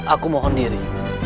aku mohon diri